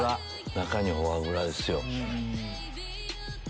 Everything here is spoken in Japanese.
中にフォアグラですよ。